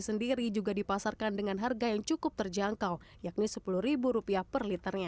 sendiri juga dipasarkan dengan harga yang cukup terjangkau yakni sepuluh rupiah per liternya yang ini sepuluh rupiah per liternya